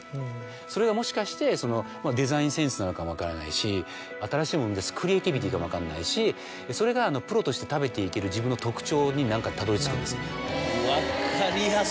それがもしかしてそのデザインセンスなのかも分からないし新しいものを生み出すクリエイティビティーかも分かんないしそれがプロとして食べていける自分の特徴にたどり着くんです。